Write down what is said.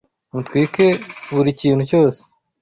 Mutwike buri kintu cyose